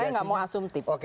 saya tidak mau asumtif